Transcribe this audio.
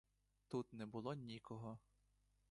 Тут не було нікого.